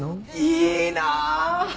いいなぁ！